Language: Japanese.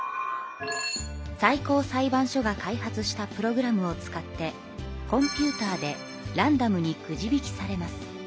最高裁判所が開発したプログラムを使ってコンピューターでランダムにくじ引きされます。